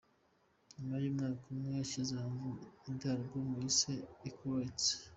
Nyuma y’umwaka umwe yashyize hanze indi album yise Equal Rights.